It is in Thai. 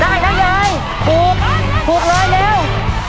ได้นั่นเลยถูกถูกเลยเร็ว